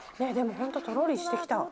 本当とろりしてきた。